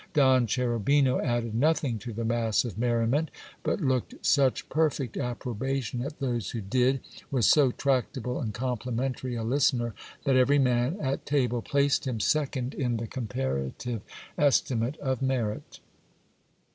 Don Cherubino added nothing to the mass of merriment ; but looked such perfect approbation at those who did, was so 266 GIL BLAS. tractable and complimentary a listener, that every man at table placed him second in the comparative estimate of merit.